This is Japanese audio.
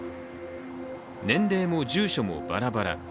年齢も住所もバラバラ。